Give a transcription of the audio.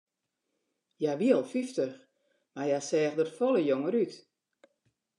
Hja wie al fyftich, mar hja seach der folle jonger út.